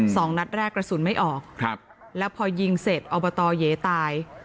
สองนัดแรกกระสุนไม่ออกครับแล้วพอยิงเสร็จอบตเย้ตาย